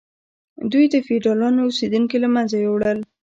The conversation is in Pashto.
دوی د فیوډالانو اوسیدونکي له منځه یوړل.